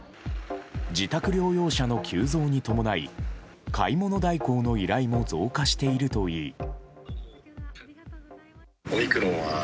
自宅療養者の急増に伴い買い物代行の依頼も増加しているといい。